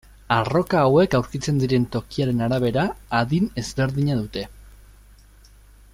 Arroka hauek aurkitzen diren tokiaren arabera, adin ezberdina dute.